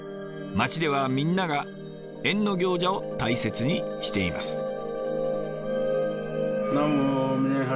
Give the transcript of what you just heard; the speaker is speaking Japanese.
町ではみんなが役行者を大切にしています。